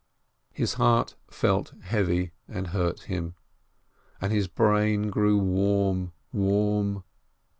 —" His heart felt heavy and hurt him, and his brain grew warm, warm.